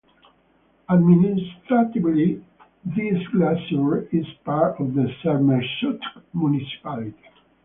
Administratively this glacier is part of the Sermersooq Municipality.